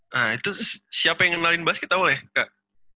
nah itu siapa yang ngenalin basket tau boleh kak